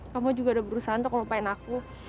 kamu juga udah berusaha untuk melupain aku